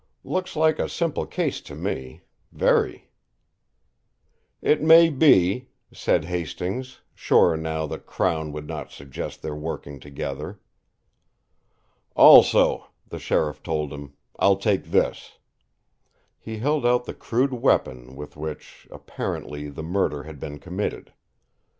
"Looks like a simple case to me very." "It may be," said Hastings, sure now that Crown would not suggest their working together. "Also," the sheriff told him, "I'll take this." He held out the crude weapon with which, apparently, the murder had been committed.